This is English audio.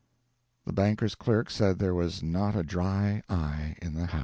The banker's clerk said there was not a dry eye in the house.